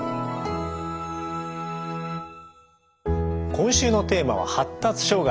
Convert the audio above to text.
今週のテーマは「発達障害」。